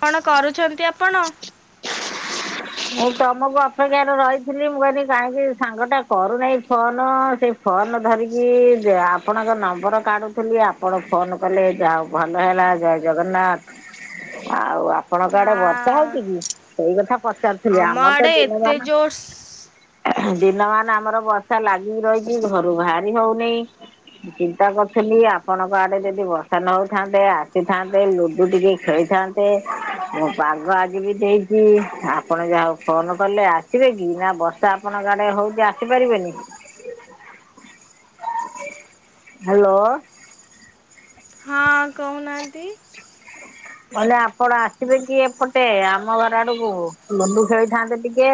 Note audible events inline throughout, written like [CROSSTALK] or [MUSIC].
କଣ କରୁଛନ୍ତି ଆପଣ ମୁଁ ତମକୁ ଅପେକ୍ଷାରେ ରହିଥିଲି ମୁଁ କହିଲି କାହିଁକି ସାଙ୍ଗଟା କରୁନାହିଁ ଫୋନ ସେ ଫୋନ ଧରିକି ଆପଣଙ୍କ ନମ୍ବର କାଢୁଥିଲି ଆପଣ ଫୋନ କଲେ ଯାଉ ଭଲ ହେଲା ଜୟ ଜଗନ୍ନାଥ ଆଉ ଆପଣଙ୍କ ଆଡେ ନା ବର୍ଷା ହଉଛି କି ସେଇ କଥା ପଚାରୁିଥିଲି ଆମ ଆମର ତ ଆଡ଼େ ଦିନ ଏତେ ବା ନା ଜୋରସ ଦିନ ମାନ ଆମର ବର୍ଷା ଲାଗିକି ରହିଛି ଘରୁ ବାହାରି ହଉନି ଚିନ୍ତା କରୁିନି ଆପଣଙ୍କ ଆଡେ ଯଦି ବର୍ଷା ନ ହଉଥାନ୍ତେ ଆସିଥାନ୍ତେ ଲୁଡୁ ଟିକେ ଖେଳିଥାନ୍ତେ ମୁଁ ପଘ ଆଜି ବି ଦେଇଛି ଆପଣ ଯାହା ଫୋନ କଲେ ଆସିବେ କି ନା ବର୍ଷା ଆପଣଙ୍କ ଗାଡେ ହଉଛି ଆସିପାରିବେନି କି ହ୍ୟାଲୋ ଆ କାଉନାହାନ୍ତି ହ କଲେ ଆପଣ ଆସିବେ କି ଏପଟେ ଆମ ଘର ଆଡକୁ ଲୁଣ୍ଡୁ ଖେଳିଥାନ୍ତେ ଟିକେ।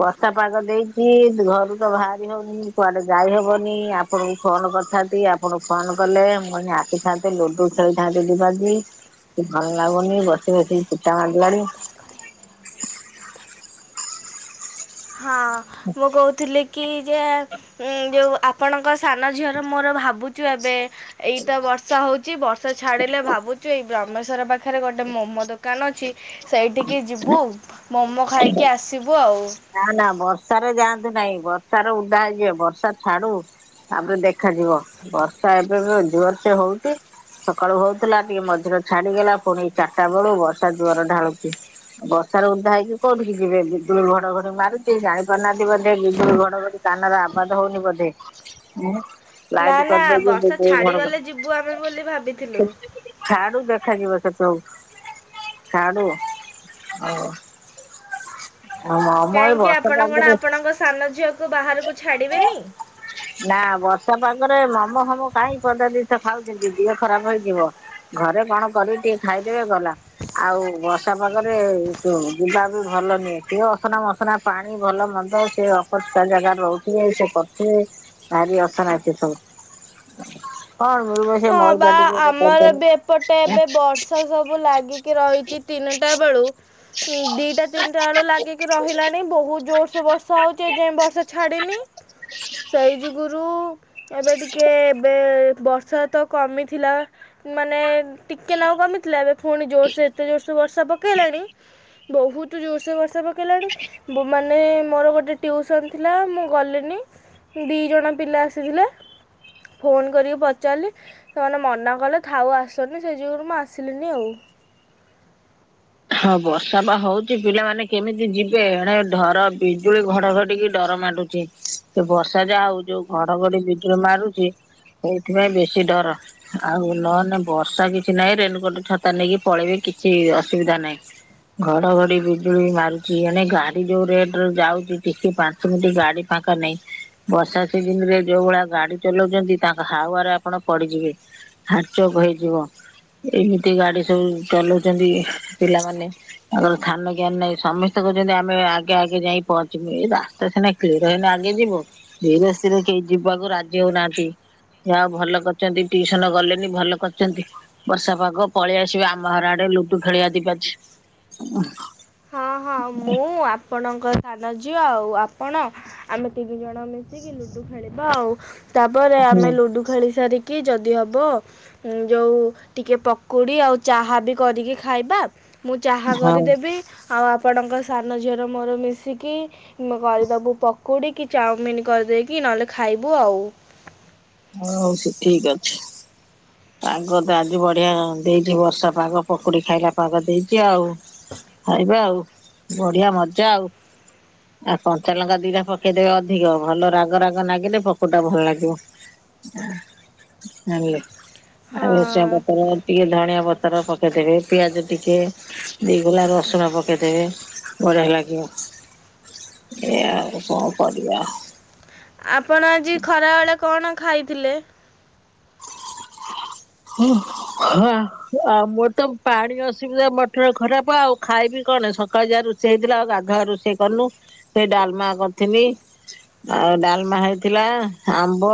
ବର୍ଷା ପାଗ ଦେଇଛି ଘରୁ ତ ବାହାରି ହଉନି କୁଆଡେ ଯାଇହବନି ଆପଣଙ୍କୁ ଫୋନ୍ କରିଥାନ୍ତି। ଆପଣଙ୍କୁ ଫୋନ କଲେ ମୁଁ ଆସିିଥାନ୍ତେ ଲୁଡ଼ୁ ଖେଳିଥାନ୍ତେ ଦିବାଜି। ଭଲ ଲାଗୁନି ବସି ବସିକି ଚିଡା ମାଡିଲାଣି। ହଁ ମୁଁ କହୁଥିଲି? କି ଯେ ଯେଉଁ ଆପଣଙ୍କ ସାନ ଝିଅର ମୋର ଭାବୁଛିୁ ଏବେ। ଏଇଟା ବର୍ଷା ହୋଉଛି ବର୍ଷା ଛାଡିଲେ ଭାବୁଛୁ ଏଇ ଭ୍ରମେଶ୍ୱର୍ ପାଖରେ ଗୋଟେ ମୋମୋ ଦୋକାନ ଅଛି ସେଇଠିକି ଯିବୁ ମୋମୋ ଖାଇକି ଆସିବୁ ଆଉ। ନା, ନା ବର୍ଷାରେ ଯାଆନ୍ତୁ ନାହିଁ ବର୍ଷାରେ ଉଦା ହେଇଯିବେ ବର୍ଷା ଛାଡୁ। ତାପରେ ଦେଖାଯିବ ବର୍ଷା ଏବେ ଜୋର ସେ ହଉଛି। ସକାଳୁ ହଉଥିଲା ଟିକେ ମଝିରେ ଛାଡିଗଲା। ପୁଣି ଚାରିଟା ବେଳୁ ବର୍ଷା ଜୋରେ ଢାଳୁଛି। ବର୍ଷାରେ ଉଦା ହେଇକି କୋଉଠିକି ଯିବେ ବିଜୁଳି ଘଡଘଡି ମାରୁଛି ଜାଣି ପାରୁନାହାନ୍ତି ବୋଧେ ବିଜୁଳି ଘଡଘଡି। କାନ ର ଆବାଜ୍ ହଉନି ବୋଧେ? ନା ଲାଇଟ ନା କରିଦଉଛି ବର୍ଷା ବିଜୁଳି ଘଡଘଡି ଛାଡ଼ିଗଲେ ଯିବୁ ଆମେ ବୋଲି ଭାବିଥିଲୁ। ଛାଡୁ ଦେଖାଯିବ ସେତବେଳୁ ଛାଡୁ ହୋଉ ମୋମୋ ଏଇ ବର୍ଷା ପାଗରେ। ମୋ ସାନ ଝିଅକୁ ବାହାରକୁ ଛାଡ଼ିବେନି। ନା, ବର୍ଷା ପାଗରେ ମୋମୋ ଫୋମୋ କାହିଁ ପଦା ଜିନିଷ ଖାଉଛନ୍ତି ଦେହ ଖରାପ ହେଇଯିବ। ଘରେ କଣ କରିକି ଟିକେ ଖାଇଦେବେ ଗଲା। ଆଉ ବର୍ଷା ପାଗରେ ଯିବା ବି ଭଲ ନୁହେଁ। ଦେହ ଅସନା ମ ଅସନା ପାଣି ଭଲ ମନ୍ଦ ସେ ଅ ଷ୍କାର ଜାଗାରେ ରହୁଥିବେ ସେ କରୁଥିବେ। ଭାରି ଅସନା ଜିନିଷ ସବୁ। କଣ ମିଳିବ ସେ ହଁ ବା ମଇଦା ଟିକେ ଆମର କରିଦେଲେ ବି ଏପଟେ ଏବେ ବର୍ଷା ସବୁ ଲାଗିକି ରହିଛି। ତିନିଟା ବେଳୁ ଦିଟା ତିନିଟା ବେଳୁ ଲାଗିକି ରହିଲାଣି। ବହୁତ ଜୋରସେ ବର୍ଷା ହଉଛି ଯେ ବର୍ଷା ଛାଡ଼ିନି ସେଇ ଯୁଗୁରୁ ଏବେ ଟିକେ ଏବେ ବର୍ଷା ତ କମିଥିଲା ମାନେ ଟିକେ ନାଗୁ କମିଥିଲା। ଏବେ ପୁଣି ଜୋରସେ ଏତେ ଜୋର ସେ ବର୍ଷା ପକେଇଲାଣି। ବହୁତ ଜୋର ସେ ବର୍ଷା ପକେ ପକେଇଲାଣି ମାନେ ମୋର ଗୋଟେ ଟ୍ୟୁସନ୍ ଥିଲା ମୁଁ ଗଲିନି ଦିଜଣ ପିଲା ଆସିଥିଲେ। ଫୋନ କରିକି ପଚାରିଲି? ସେମାନେ ମନା କଲେ ଥାଉ ଆସନି ସେ ଯୁଗୁରୁ ମୁଁ ଆସିଲିନି ଆଉ। ହଁ ବର୍ଷା ବା ହଉଛି ପିଲାମାନେ କେମିତି ଯିବେ ଏଣେ ଧର ବିଜୁଳି, ଘଡଘଡି କି ଡର ମାଡୁଛି ସେ ବର୍ଷା ଯାହା ହଉ ଯୋଉ ଘଡଘଡି ବିଜୁଳି ମାରୁଛି। ସେଇଥିପାଇଁ ବେଶୀ ଡର। ଆଉ ନହେନେ ବର୍ଷା କିଛି ନାହିଁ ରେନିକୋଟ ଛତା ନେଇକି ପଳେଇବେ କିଛି ଅସୁବିଧା ନାହିଁ। ଘଡଘଡି ବିଜୁଳି ମାରୁଛି। ଏଣେ ଗାଡି ଯୋଉ ରେଟରେ ଯାଉଛି। ଟିକେ ପା ଏମିତି ଗାଡି ପାଙ୍କା ନାଇଁ। ବର୍ଷା ସିଜିନରେ ଯୋଉ ଭଳିଆ ଗାଡି ଚଲାଉଛନ୍ତି। ତାଙ୍କ ହାୱାରେ ଆପଣ ପଡିଯିବେ। ହାଡଚୋକ ହେଇଯିବ ଏମିତି ଗାଡି ସବୁ ଚଲଉଚନ୍ତି ପିଲାମାନେ। ତାଙ୍କର ଥାନ ଜ୍ଞାନ ନାଇଁ ସମସ୍ତେ କହୁଛନ୍ତି ଆମେ ଆଗେ ଆଗେ ଯାଇ ପହଞ୍ଚିବୁ। ଏଇ ରାସ୍ତା ସିନା ତୁତ ଏଇନା ଆଗେ ଯିବୁ। ରାସ୍ତାରେ କେହି ଯିବାକୁ ରାଜି ହୋଉନାହାନ୍ତି। ଯାହା ଭଲ କରିଚନ୍ତି ଟ୍ୟୁସନ ଗଲେନି ଭଲ କରିଚନ୍ତି। ବର୍ଷା ପାଗ ପଳେଇ ଆସିବା ଆମ ଘର ଆଡେ ଲୁଡୁ ଖେଳିବା ଦି ବାଜି। ହଁ ହଁ ମୁଁ ଆପଣଙ୍କ ସାନ ଝିଅ ଆଉ ଆପଣ ଆମେ ତିନି ଜଣ ମିଶିକି ଲୁଡୁ ଖେଳିବା ଆଉ ତାପରେ ହୁଁ ଆମେ ଲୁଡୁ ଖେଳି ସାରିକି ଯଦି ହବ ଯୋଉ ଟିକିଏ ପକୁଡ଼ି ଆଉ ଚାହା ବି କରିକି ଖାଇବା। ମୁଁ ଚାହା ହଉ। କରିଦେବି ଆଉ ଆପଣଙ୍କ ସାନ ଝିଅର ମୋର ମିଶିକି ନହଲେ କରିଦବୁ ପକୁଡ଼ି କି ଚାଓମିିନ କରିଦେଇକି ନହେଲେ ଖାଇବୁ ଆଉ। ହଁ ହୋଉଛି ଠିକ୍ ଅଛି। ପାଗ ତ ଆଜି ବଢିଆ ଦେଇଛି ବର୍ଷା ପାଗ ପକୁଡି ଖାଇଲା ପାଗ ଦେଇଛି ଆଉ। ଖାଇବା ଆଉ ବଢିଆ ମଜା ଆଉ। ଆଉ କଞ୍ଚାଲଙ୍କା ଦିଟା ପକେଇଦେବେ ଅଧିକ ଭଲ ରାଗ ରାଗ ନାଗିଲେ ପକଟା ଭଲ ଲାଗିବ। [INAUDIBLE] ଆଉ ହଁ ଭୁରସାଙ୍ଗ ପତର ଟିକେ ଧଣିଆ ପତର ପକେଇଦେବେ ପିଆଜ ଟିକେ ଦିଗୁଲା ରସୁଣ ପକେଇଦେବେ ବଢିଆ ଲାଗିବ। ଏ ଆଉ କଣ କରିବା। ଆପଣ ଆଜି ଖରାବେଳେ କଣ ଖାଇଥିଲେ? ହଁ ଆଉ ମୋର ତ ପାଣି ଅସୁବିଧା ମଟର ଖରାପ ଆଉ। ଖାଇବି କଣ ସକାଳେ ଯାହା ରୋଷେଇ ହେଇଥିଲା ଆଉ ଗାଧୁଆରେ ରୋଷେଇ କରନୁ ସେଇ ଡାଲମା କରିଥଥିଲି। ଆଉ ଡାଲମା ହେଇଥିଲା ଆମ୍ବ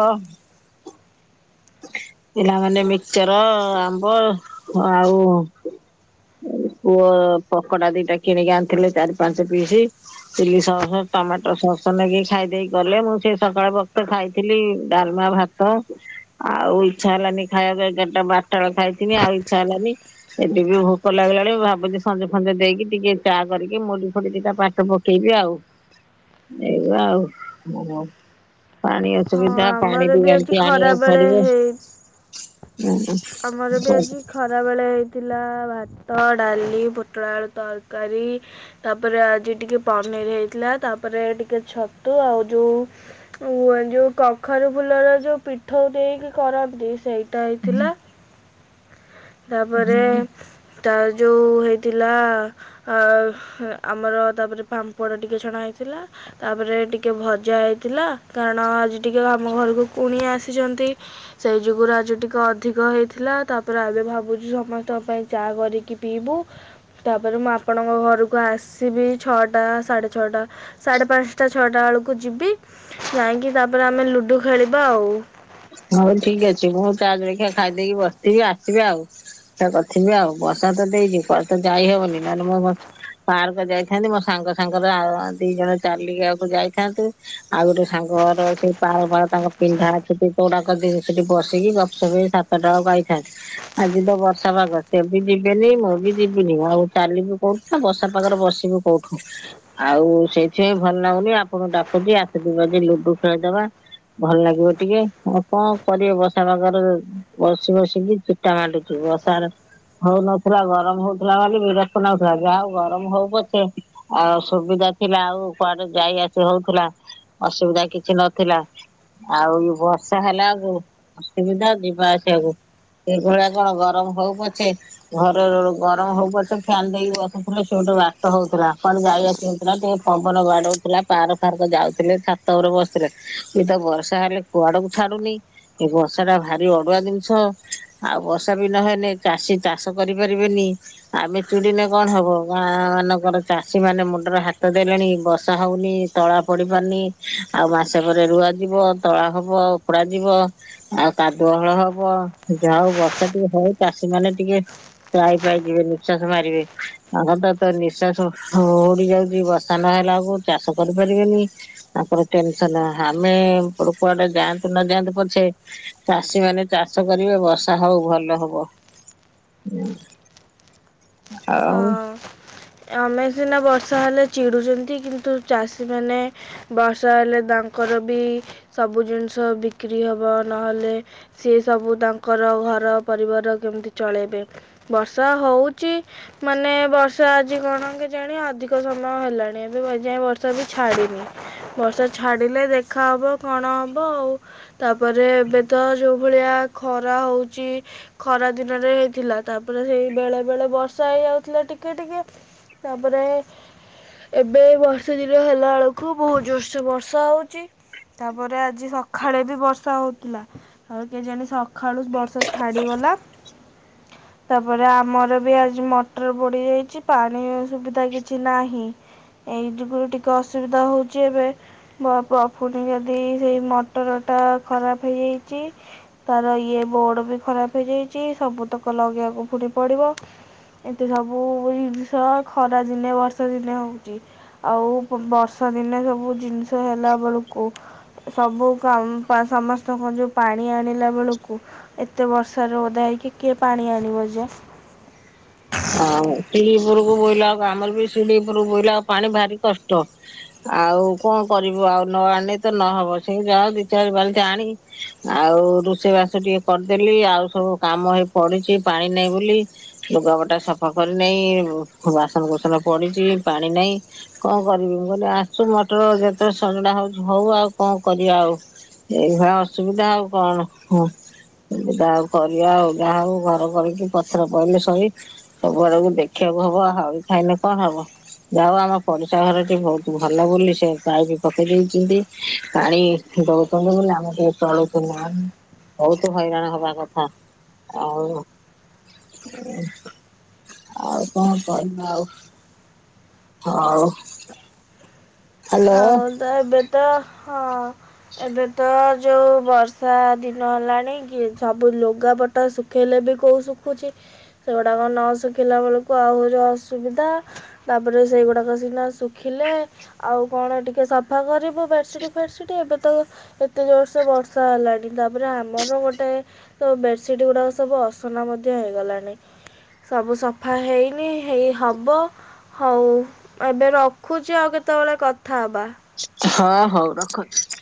ପିଲାମାନେ ମିକଚର ଆମ୍ବ ଆଉ ପୁଅ ପକୋଡା ଦିଟା କିଣିକି ଆଣିଥିଲେ ଚାରି ପାଞ୍ଚ piece. Chilli sauce tomato sauce ନେଇକି ଖାଇ ଦେଇେଇ ଗଲେ, ମୁଁ ସେ ସକାଳେ ବକ୍ତ ଖାଇଥିଲି ଡାଲମା ଭାତ ହ ଆଉ ଇଛା ହେଲାନି ଖାଇବାକୁ ଏଗାରଟା ବାରଟା ଖାଇଥିନି ଆଉ ଇଛା ହେଲାନି। ଏଠି ବି ଭୋକ ଲାଗିଲାଣି ଭାବୁଛି ସଞ୍ଜ ଫଞ୍ଜ ଦେଇକି ଟିକେ ଚା କରିକି ମୁଡି ଫୁଡି ଦିଟା ପାଟି ପକେଇବି ଆଉ। ଏଇଗ ଆଉ ଓ ପାଣି ହଁ ଅସୁବିଧା ପାଣି ଆମର ବି ଆଜି ଏମତି ଆଣିବାକୁ ଖରାବେଳେ ଫଡିବ। ହେଇ ଆମର ବି ଆଜି ଖରାବେଳେ ହେଇଥିଲା ଭାତ, ଡାଲି, ପୋଟଳ ଆଳୁ ତରକାରୀ ତାପରେ ଆଜି ଟିକେ ପନିର ହେଇଥିଲା ତାପରେ ଟିକେ ଛତୁ ଆଉ ଯୋଉ ଯୋଉ କଖାରୁ ଫୁଲର ଯୋଉ ପିଠୋଉ ଦେଇକି ଖପ ଦେଇ ସେଇଟା ହେଇଥିଲା। ତାପରେ ତା ଯୋଉ ହେଇଥିଲା ଆ ଆମର ତାପରେ ପାମ୍ପଡ଼ ଟିକେ ଛଣା ହେଇଥିଲା। ତାପରେ ଟିକେ ଭଜା ହେଇଥିଲା କାରଣ ଆଜି ଟିକେ ଆମ ଘରକୁ କୁଣି ଆସିଛନ୍ତି। ସେଇ ଯୁଗୁରୁ ଆଜି ଟିକେ ଅଧିକ ହେଇଥିଲା ତାପରେ ଆବେେ ଭାବୁଛୁ ସମସ୍ତଙ୍କ ପାଇଁ ଚା କରିକି ପିଇବୁ ତାପରେ ମୁଁ ଆପଣଙ୍କ ଘରକୁ ଆସିବି ଛଅଟା ସାଢ଼େ ଛଅଟା ସାଢ଼େ ପାଞ୍ଚଟା ଛଅଟା ବେଳକୁ ଯିବି ଯାଇକି ତାପରେ ଆମେ ଲୁଡୁ ଖେଳିବା ଆଉ। ହଉ ଠିକ ଅଛି ମୁଁ ତା ଜଳଖିଆ ଖାଇଦେଇକି ବସିଥିବି ଆସିବେ ଆଉ। କରିଥିବି ଆଉ ବସା ତ ଦେଇଛି କୁଆଡ଼େ ଯାଇହବନି ନହେଲେ ମୋ ପାର୍କ ଯାଇଥାନ୍ତି ମୋ ସାଙ୍ଗ ସାଙ୍ଗରେ ଆଉ ଦି ଜଣ ଚାଲିକି ଆକୁ ଯାଇଥାନ୍ତୁ। ଆଉ ଗୋଟେ ସାଙ୍ଗଘର ସେଇ ପାଳ ପାଖରେ ତାଙ୍କ ପିଣ୍ଢା ଅଛି। କୋଉଡାକ ସେଠି ବସିକି ଗପ ସପ ହେଉକି ସାତଟାଳକୁ ଆଇଥାନ୍ତି। ଆଜି ତ ବର୍ଷା ପାଗ ସେ ବି ଯିବେନି ମୁଁ ବି ଯିବିନି ଆଉ ଚାଲିବୁ କୋଉଠୁ ନା ବର୍ଷା ପାଗରେ ବସିବୁ କୋଉଠୁ। ଆଉ ସେଇଥିପାଇଁ ଭଲ ଲାଗୁନି ଆପଣଙ୍କୁ ଡାକୁଛି ଆସିିବ ବାଜି ଲୁଡୁ ଖେଳିଦବା। ଭଲ ଲାଗିବ ଟିକେ। ଆଉ କଣ କରିବେ ବର୍ଷା ପାଗରେ ବସି ବସିକି ଚୁଟା ମଟୁଛି ବର୍ଷା ର ହଉ ନଥିଲା ଗରମ ହଉଥିଲା ବୋଲି ବିରକ୍ ନାଗୁଥିଲା ଯାହା ହଉ ଗରମ ହଉ ପଛେ ଆଉ ସୁବିଧା ଥିଲା ଆଉ କୁଆଡେ ଯାଇ ଆସି ହଉଥିଲା ଅସୁବିଧା କିଛି ନଥିଲା ଆଉ ଇ ବର୍ଷା ହେଲା ଆଗ ଅସୁବିଧା ଯିବା ଆସିବାକୁ। ଏ ଭଳିଆ କଣ ଗରମ ହଉ ପଛେ ଘର ଗରମ ହଉ ପଛେ ଫ୍ୟାନ୍ ଦେଇକି ବସିଥିଲେ ସେ ଗୋଟେ ବାଟ ହଉଥିଲା କୁଆଡେ ଯାଇ ଆସି ଟିକେ ପବନ ବାଡଉଥିଲା ପାର ଫାର୍କ ଯାଉଥିଲେ, ଛାତ ଉପରେ ବସିଲେ ଏ ତ ବର୍ଷା ହେଲେ କୁଆଡକୁ ଛାଡୁନି ଏ ବର୍ଷା ଟା ଭାରି ଅଡୁଆ ଜିନିଷ। ଆଉ ବର୍ଷା ବି ନହେଲେ ଚାଷୀ ଚାଷ କରିପାରିବେନି। ଆମେ ଚୁଡିଲେ କଣ ହବ ଗାଁ ମାନଙ୍କର ଚାଷୀ ମାନେ ମୁଣ୍ଡରେ ହାତ ଦେଲେଣି ବର୍ଷା ହଉନି ତଳା ପଡି ପାରୁନି ଆଉ ମାସେ ପରେ ରୁଆ ଯିବ ତଳା ହବ ଉପକୁଡା ଯିବ। ଆଉ କାଦୁଅ ହଳ ହବ ଯ ହଉ ବର୍ଷା ଟିକେ ହଉ ଚାଷୀ ମାନେ ଟିକେ ଯାଇ ପାଇ ଯିବେ ନିଃଶ୍ଵାସ ମାରିବେ ଆଗ ତ ତ ନିଶ୍ୱାସ ଉଡି ଯାଉଛି ବର୍ଷା ନହେଲା ବେଳକୁ ଚାଷ କରିପାରିବେନି। ତାଙ୍କର ଟେନସନ ଆମେ ପଡ କୁଆଡେ ଯାଆ ନଯାଆନ୍ତୁ ପଛେ ଚାଷୀ ମାନେ ଚାଷ କରିବେ ବର୍ଷା ହଉ ଭଲ ହବ। [INAUDIBLE] ହଁ ଆମେ ସିନା ବର୍ଷା ହେଲେ ଚିଡ଼ୁଛନ୍ତି କିନ୍ତୁ ଚାଷୀମାନେ ବର୍ଷା ହେଲେ ତାଙ୍କର ବି ସବୁ ଜିନିଷ ବିକ୍ରି ହବ ନହେଲେ ସିଏ ସବୁ ତାଙ୍କର ଘର ପରିବାର କେମିତି ଚଳେଇବେ। ବର୍ଷା ହଉଛି। ମାନେ ବର୍ଷା ଆଜି କଣ କେଜାଣି ଅଧିକ ସମୟ ହେଲାଣି ଏବେ ଯାଏ ବର୍ଷା ବି ଛାଡ଼ିନି। ବର୍ଷା ଛାଡିଲେ ଦେଖା ହବ କଣ ହବ ଆଉ ତାପରେ ଏବେ ତ ଯୋଉ ଭଳିଆ ଖରା ହେଉଛି ଖରା ଦିନରେ ହେଇଥିଲା ତାପରେ ସେଇ ବେଳେ ବଳେ ବର୍ଷ ବର୍ଷା ହେଇ ଯାଉଥିଲା ଟିକେ ଟିକେ ତାପରେ ଏବେ ବର୍ଷେ ଦିନ ହେଲାବେଳକୁ ବହୁତ ଜୋରସୋରସେ ବର୍ଷା ହେଉଛି। ତାପରେ ଆଜି ସକାଳେ ବି ବର୍ଷା ହଉଥିଲା। ଆଉ କେଜଣି ସକାଳୁ ବର୍ଷା ଛାଡିଗଲା। ତାପରେ ଆମର ବି ଆ ମଟର ବୁଡି ଯାଇଛି ପାଣି ସୁବିଧା କିଛି ନାହିଁ। ସେହି ଯୁଗରୁ ଟିକେ ଅସୁବିଧା ହଉଛି ଏବେ ପ ପୁଣି ଯଦି ସେଇ ମଟର ଟା ଖରାପ ହେଇଯାଇଛି ତାର ଇଏ ବୋର୍ଡ ବି ଖରାପ ହେଇଯାଇଛି ସବୁତକ ଲଗେଇବାକୁ ପୁଣି ପଡିବ। ଏତେ ସବୁ ଜିନିଷ ଖରା ଦିନେ ବର୍ଷା ଦିନେ ହଉଛି। ଆଉ ବର୍ଷା ଦିନେ ସବୁ ଜିନିଷ ହେଲା ବେଳକୁ ସବୁ କାମ ସମସ୍ତଙ୍କ ଯୋଉ ପାଣି ଆଣିଲା ବେଳକୁ ଏତେ ବର୍ଷାରୁ ଓଦା ହେଇକି କିଏ ପାଣି ଆଣିବ ଯେ ଆଉ ଶିଡିିଉପରକୁ ବୋଇଲା ଆ ଆମର ବି ଶିଡିିଉପରକୁ ବୋହିଲା ଆଉ ପାଣି ଭାରି କଷ୍ଟ ଆଉ କଣ କରିବୁ ଆଉ ନ ଆଣେ ତ ନହବ ସେଇ ଯ ଦିି ଚାରି ବାଲ୍ଟି ଆଣିକି ଆଉ ରୋଷେଇ ବାସ ଟିକେ କରିଦେଲି ଆଉ ସବୁ କାମ ହେଇ ପଡିଛି ପାଣି ନାହିଁ ବୋଲି ଲୁଗା ପଟା ସଫା କରି ନାହିଁ ବାସନ କୁସନ ପଡିଛି ପାଣି ନାହିଁ। କଣ କରିବି ମୁଁ କହିଲି ଆସୁ ମଟର ଯେତେବେଳେ ସଜଡା ହଉଛି ହଉ ଆଉ କଣ କରିବା ଆଉ। ଏଇଭଳି ଅସୁବିଧା ଆଉ କଣ ହୁଁ ତାହା କରିବା ଆଉ ଯାହା ହଉ ଘର କରିକି ପଥର ପହିଲେ ଶୋଇ ସବୁ ଆଡକୁ ଦେଖିବାକୁ ହବ ଆଉ ଖାଇଲେ କଣ ହବ ଯାଉ ଆମ ପଡିଶା ଘରଟି ବହୁତ ଭଲ ବୋଲି ସେ ପାଇପ୍ ପକେଇ ଦେଇଛନ୍ତି। ପାଣି ଦଉଛନ୍ତି ବୋଲି ଆମେ ଟିକେ ଚଳୁଛ ନା ବହୁତ ହଇରାଣ ହେବା କଥା ଆଉ ଆଉ କଣ କରିବ ଆଉ। ଆଉ। ଅ ତ ଏବେ ତ ହଁ ଏବେ ତ ଯୋଉ ବର୍ଷା ଦିନ ହେଲାଣି କି ସବୁ ଲୁଗାପଟା ଟା ଶୁଖେଇଲେ ବି କୋଉ ଶୁଖୁଛି। ସେଗୁଡ଼ାକ ନ ଶିଖୁଲା ବେଳକୁ ଆହୁରି ଅସୁବିଧା ତାପରେ ସେଇଗୁଡାକ ସିନା ଶୁଖିଲେ ଆଉ କଣ ଟିକିେ ସଫା କରିବୁ ବେଡ଼ସିଟି ଫେଟସିଟି ଏବେ ତ ଏତେ ଜୋରସେ ବର୍ଷା ହେଲାଣି। ତାପରେ ଆମର ଗୋଟେ ତ ବେଡ଼ସିଟ୍ ଗୁଡ଼ାକ ସବୁ ଅସନା ମଧ୍ୟ ହେଇଗଲାଣି। ସବୁ ସଫା ହେଇନି ହେଇ ହବ। ହଉ ଏବେ ରଖୁଛି ଆଉ କେତେବେଳେ କଥା ହେବା। ହଁ ହଉ ରଖନ୍ତୁ।